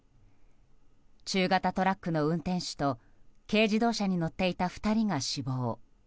中型トラックの運転手と軽自動車に乗っていた２人が死亡。